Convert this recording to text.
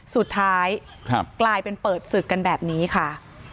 สุดท้ายกลายเป็นเปิดศึกกันแบบนี้ค่ะ